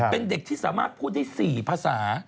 เป็นเด็กที่สามารถพูดได้๔ภาษา